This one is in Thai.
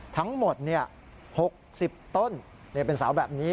ทั้งหมด๖๐ต้นเป็นเสาแบบนี้